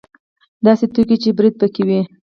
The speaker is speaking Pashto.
داسې ټوکې چې برید پکې وي.